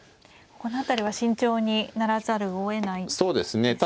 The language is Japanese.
この辺りは慎重にならざるをえないですね。